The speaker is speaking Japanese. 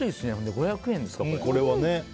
５００円ですか。